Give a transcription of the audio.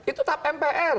itu tahap mpr